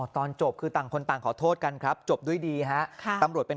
ตอนจบคือต่างคนต่างขอโทษกันครับจบด้วยดีฮะตำรวจเป็น